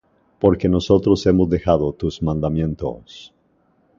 porque nosotros hemos dejado tus mandamientos,